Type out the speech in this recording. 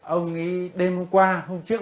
ông ấy đêm hôm qua hôm trước